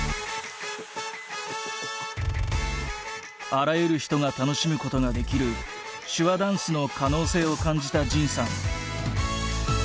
あらゆる人が楽しむことができる手話ダンスの可能性を感じた仁さん。